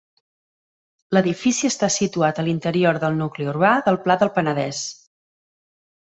L'edifici està situat a l'interior del nucli urbà del Pla del Penedès.